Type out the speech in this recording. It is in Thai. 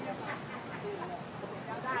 โปรดติดตามต่อไป